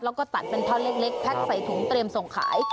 แล้วก็ตัดเป็นท่อนเล็กแพ็กใส่ถุงเตรียมส่งขาย